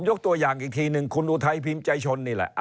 ยกตัวอย่างอีกทีหนึ่งคุณอุทัยพิมพ์ใจชนนี่แหละ